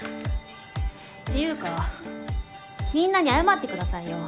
っていうかみんなに謝ってくださいよ。